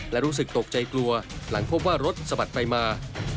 และรู้สึกตกใจกลัวหลังพบว่ารถสะบัดไปมา